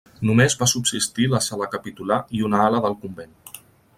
Només va subsistir la sala capitular i un ala del convent.